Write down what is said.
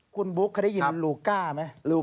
คุณบุ๊คเคยได้ยินลูก้าไหม